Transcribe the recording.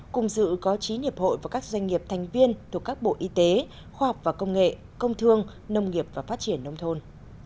cùng dự có chín hiệp hội và các doanh nghiệp thành viên thuộc các bộ y tế khoa học và công nghệ công thương nông nghiệp và phát triển nông thôn